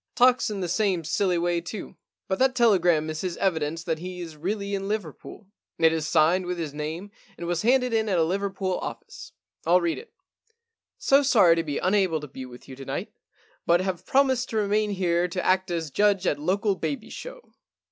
Talks in the same silly way too. But that telegram is his evidence that he is really in Liverpool. It is signed with his name and was handed in at a Liverpool office, ril read it. " So sorry to be unable to be with you to night, but have promised to remain here to act as judge at local baby show."